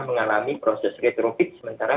mengalami proses retrofit sementara